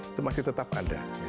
itu masih tetap ada